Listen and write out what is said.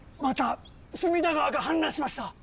また隅田川が氾濫しました！